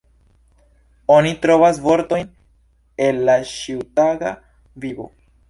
Oni trovas vortojn el la ĉiutaga vivo.